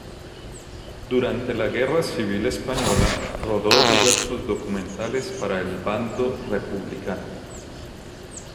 Durante la Guerra Civil Española rodó diversos documentales para el bando republicano.